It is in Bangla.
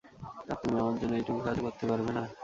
আর তুমি আমার জন্য, এইটুকু কাজ করতে পারবেনা।